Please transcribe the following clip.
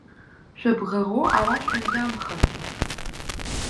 Шәыбӷаӷо ара шәыҩнамхан!